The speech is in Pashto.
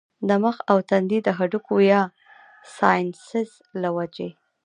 د مخ او تندي د هډوکو يا سائنسز له وجې